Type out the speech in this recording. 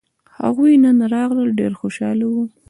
هغوی نن راغلل ډېر خوشاله وو